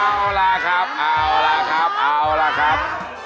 เอาล่ะครับ